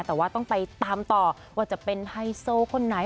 แต่ว่าต้องไปตามต่อว่าจะเป็นไฮโซคนไหน